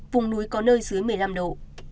vùng núi có nơi dưới một mươi năm độ